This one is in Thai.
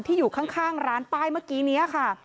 อยู่ข้างร้านป้ายเมื่อกี้นี้ค่ะ